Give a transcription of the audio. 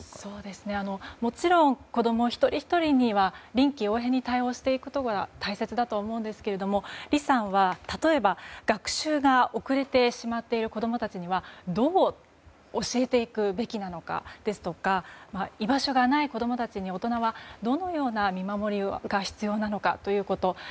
もちろん子供一人ひとりには臨機応変に対応していくことが大切だと思うんですけどリさんは例えば学習が遅れてしまっている子供達には、どう教えていくべきなのかですとか居場所がない子供たちに大人はどのような見守りが必要なのかということ。